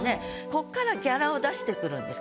こっから「ギャラ」を出してくるんです。